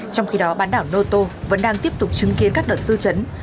trong khi đó bán đảo noto vẫn đang tiếp tục chứng kiến các đợt sưu chấn